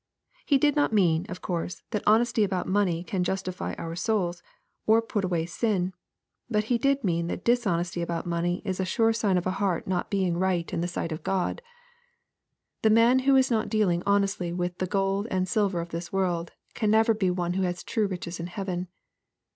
— He did not mean, of course, that honesty about money can justify our souls, or put away sin. But He did mean that dishonesty about money is a sure sign of a heart not being " right iu LUKE, CHAP. XVI. 199 the sight of God." The man who is not dealing hon .estly with the gold and silver of this world, can never be one who has true riches in heaven.